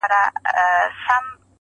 مثبت فکر ښه احساس ورکوي.